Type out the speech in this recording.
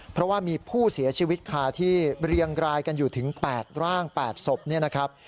เพราะว่ามีผู้เสียชีวิตค่ะที่เรียงรายกันอยู่ถึง๘ร่าง๘ศพเนี่ยนะครับ